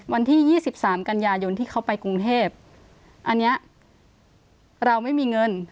วันที่ยี่สิบสามกันยายนที่เขาไปกรุงเทพอันเนี้ยเราไม่มีเงิน